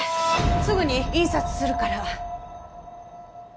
すぐに印刷するから。